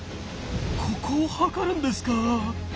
ここを測るんですか。